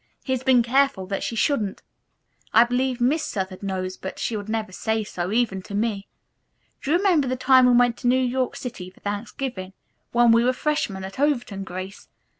"He has been careful that she shouldn't. I believe Miss Southard knows, but she would never say so, even to me. Do you remember the time we went to New York City for Thanksgiving, when we were freshmen at Overton, Grace?